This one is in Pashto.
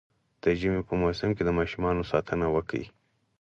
د ژمي په موسم کي د ماشومانو ساتنه وکړئ